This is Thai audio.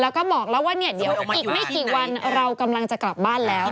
แล้วก็บอกแล้วว่าเนี่ยเดี๋ยวอีกไม่กี่วันเรากำลังจะกลับบ้านแล้ว